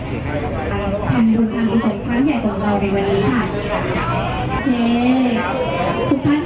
ก็ไม่มีคนกลับมาหรือเปล่า